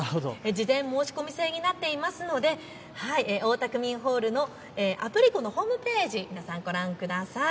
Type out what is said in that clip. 事前申し込み制になっているので大田区民ホールのアプリコのホームページ、皆さんご覧ください。